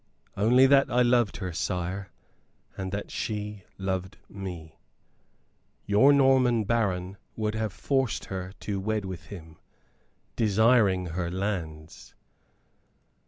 "Only that I loved her, sire, and that she loved me," said Allan. "Your Norman baron would have forced her to wed with him, desiring her lands."